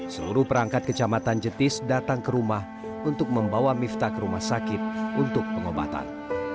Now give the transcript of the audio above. seluruh perangkat kecamatan jetis datang ke rumah untuk membawa mifta ke rumah sakit untuk pengobatan